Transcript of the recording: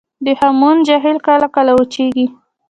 د هامون جهیلونه کله کله وچیږي